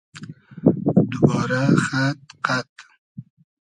دوبارۂ خئد قئد